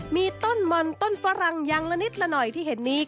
มีต้นมอนต้นฝรั่งยังละนิดละหน่อยที่เห็นนี้